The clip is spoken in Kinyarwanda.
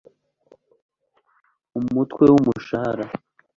UMUTWE WA II UMUSHAHARA